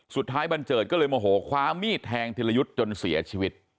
บันเจิดก็เลยโมโหคว้ามีดแทงธิรยุทธ์จนเสียชีวิต